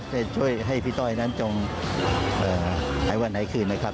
จะช่วยให้พี่ต้อยนั้นจงหายวันหายคืนนะครับ